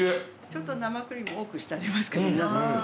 ちょっと生クリーム多くしてありますけど皆さんの。